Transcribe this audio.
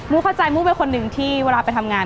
เข้าใจมู้เป็นคนหนึ่งที่เวลาไปทำงาน